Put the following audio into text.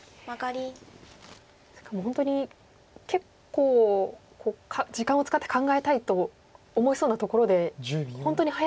しかも本当に結構時間を使って考えたいと思いそうなところで本当に早く打たれますね。